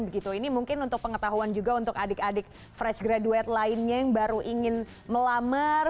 begitu ini mungkin untuk pengetahuan juga untuk adik adik fresh graduate lainnya yang baru ingin melamar